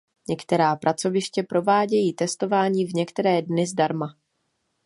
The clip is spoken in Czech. Některá pracoviště provádějí testování v některé dny zdarma.